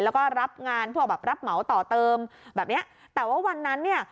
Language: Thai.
แล้วก็รับงานพวกแบบรับเหมาต่อเติมแบบเนี้ยแต่ว่าวันนั้นเนี่ย